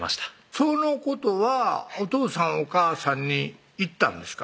そのことはお父さん・お母さんに言ったんですか？